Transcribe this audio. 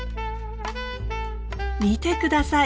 見て下さい。